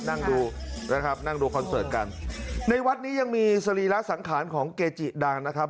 นั่งดูนะครับนั่งดูคอนเสิร์ตกันในวัดนี้ยังมีสรีระสังขารของเกจิดังนะครับ